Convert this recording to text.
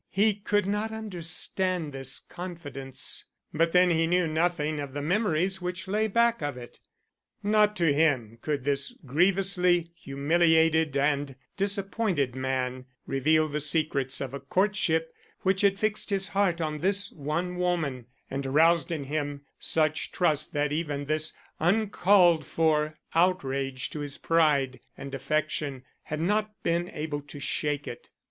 He could not understand this confidence. But then he knew nothing of the memories which lay back of it. Not to him could this grievously humiliated and disappointed man reveal the secrets of a courtship which had fixed his heart on this one woman, and aroused in him such trust that even this uncalled for outrage to his pride and affection had not been able to shake it.